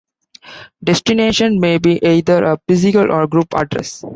Destination may be either a physical or group address.